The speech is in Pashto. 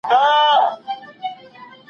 که ککړ وي ګرمه اوبه وکاروئ.